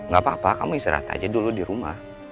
gak apa apa kamu istirahat aja dulu di rumah